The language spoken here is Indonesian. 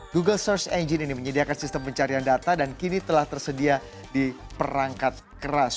google search engine ini menyediakan sistem pencarian data dan kini telah tersedia di perangkat keras